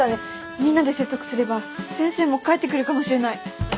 みんなで説得すれば先生も帰ってくるかもしれない。